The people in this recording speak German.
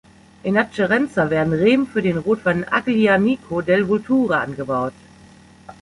In Acerenza werden Reben für den Rotwein Aglianico del Vulture angebaut.